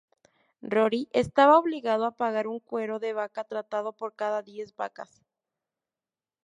Rory estaba obligado a pagar un cuero de vaca tratado por cada diez vacas.